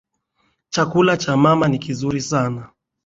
Chakula cha mama ni kizuri sana